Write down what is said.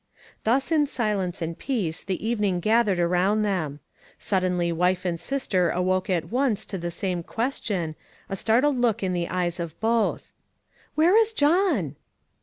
Thus in silence and peace the evening gathered around them. Suddenly wife and sister awoke at once to the same question,. a startled look in the eyes of both: "Where is John?"